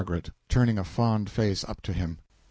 (Turning a fond face up at him.)